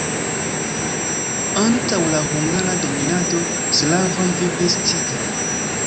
Antaŭ la hungara dominado slavoj vivis tie.